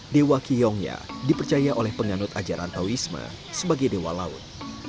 dewa kiyongya dipercaya oleh penganut ajaran tauwisma sebagai dewa laut